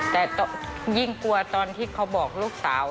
แต่ยิ่งกลัวตอนที่เขาบอกลูกสาว